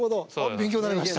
勉強になりました。